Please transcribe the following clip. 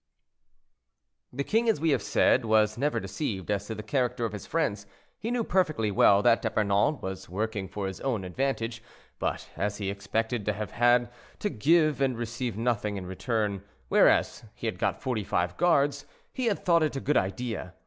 The king, as we have said, was never deceived as to the character of his friends; he knew perfectly well that D'Epernon was working for his own advantage, but as he expected to have had to give and receive nothing in return, whereas he had got forty five guards, he had thought it a good idea.